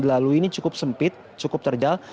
dilalui ini cukup sempit cukup terjal